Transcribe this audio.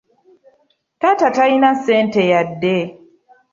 Taata talina ssente yadde.